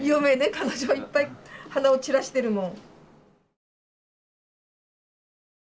彼女いっぱい花を散らしてるもん。